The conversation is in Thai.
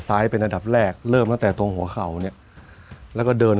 เป็นอันดับแรกเริ่มตั้งแต่ตรงหัวเข่าเนี่ยแล้วก็เดิน